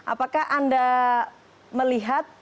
apakah anda melihat